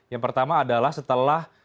yang pertama adalah setelah